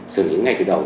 xử lý ngay từ đầu